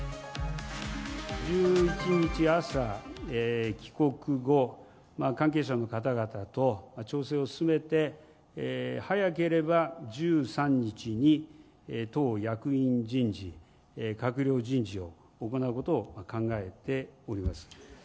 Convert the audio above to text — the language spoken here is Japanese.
１１日朝、帰国後、関係者の方々と調整を進めて、早ければ１３日に党役員人事、閣僚人事を行うことを考えております。